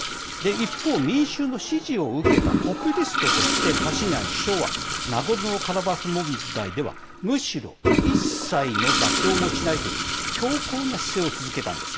一方、民衆の支持を受けたポピュリストとしてのパシニャン首相はナゴルノカラバフ問題ではむしろ一切の妥協もしないという強硬な姿勢を続けたんです。